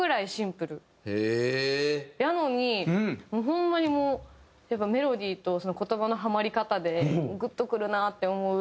へえー！やのにホンマにもうやっぱメロディーと言葉のハマり方でグッとくるなって思う。